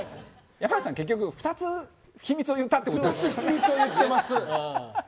山内さん、結局２つ秘密を言ったってことですか。